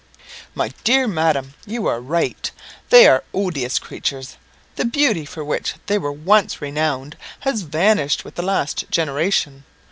"My dear madam, you are right. They are odious creatures. The beauty for which they were once renowned has vanished with the last generation.